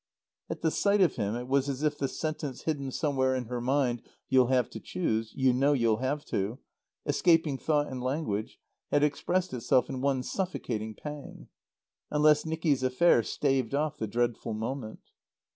At the sight of him it was as if the sentence hidden somewhere in her mind "You'll have to choose. You know you'll have to" escaping thought and language, had expressed itself in one suffocating pang. Unless Nicky's affair staved off the dreadful moment.